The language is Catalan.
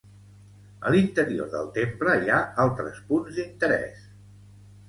A l'interior del temple hi ha altres punts d'interès.